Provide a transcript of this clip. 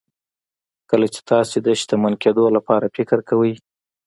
کله چې تاسې د شتمن کېدو لپاره فکر کوئ.